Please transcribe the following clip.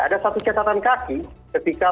ada satu catatan kaki ketika